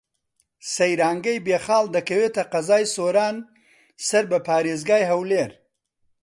سەیرانگەی بێخاڵ دەکەوێتە قەزای سۆران سەر بە پارێزگای هەولێر.